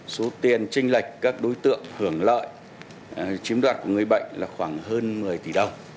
số tiền tranh lệch các đối tượng hưởng lợi chiếm đoạt của người bệnh là khoảng hơn một mươi tỷ đồng